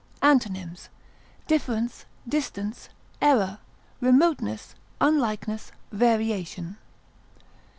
Antonyms: difference, distance, error, remoteness, unlikeness, variation.